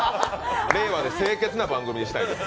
令和の清潔な番組にしたいんです。